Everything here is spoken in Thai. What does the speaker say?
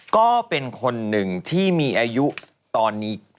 ก็เป็นคนหนึ่งที่มีอายุตอนนี้